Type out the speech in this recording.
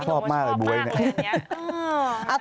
ชอบมากเลยอันนี้